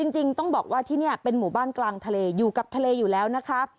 จริงต้องบอกว่าที่นี่เป็นหมู่บ้านกลางทะเลอยู่กับทะเลอยู่แล้วนะคะ